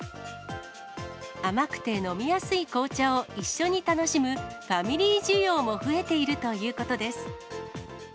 甘くて飲みやすい紅茶を一緒に楽しむファミリー需要も増えているということです。